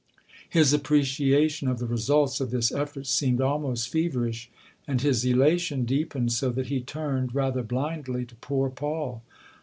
His appreciation of the results of this effort seemed almost feverish, and his elation deepened so that he turned, rather blindly, to poor Paul.